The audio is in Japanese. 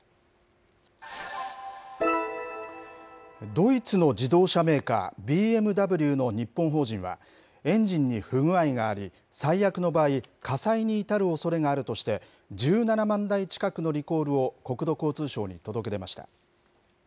ドイツの自動車メーカー、ＢＭＷの日本法人はエンジンに不具合があり、最悪の場合、火災に至るおそれがあるとして、１７万台近くのリコールを国土交通省に届け出ました。